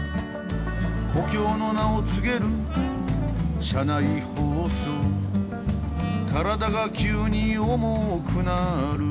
「故郷の名を告げる車内放送」「体が急に重くなる」